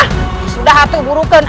sudah hati buruk kan